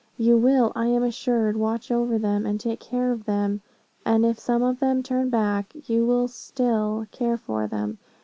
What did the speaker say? You will, I am assured, watch over them, and take care of them; and if some of them turn back, you will still care for them.